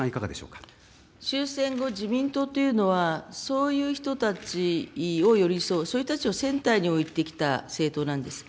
終戦後、自民党というのは、そういう人たちを寄り添う、そういう人たちをセンターに置いてきた政党なんです。